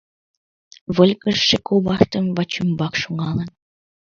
Выльгыжше коваштым вачӱмбак шоҥалын